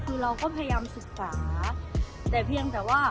คือเราก็พยายามศึกษาแต่เพียงแต่ว่า